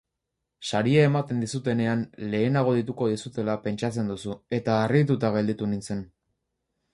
Saria ematen dizutenean lehenago deituko dizutela pentsatzen duzu, eta harrituta gelditu nintzen.